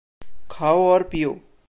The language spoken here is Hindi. खाओ और पियो।